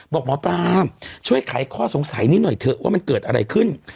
บอกหมอปลาช่วยไขข้อสงสัยนี้หน่อยเถอะว่ามันเกิดอะไรขึ้น